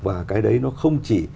và cái đấy nó không chỉ